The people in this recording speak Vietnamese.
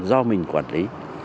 do mình quản lý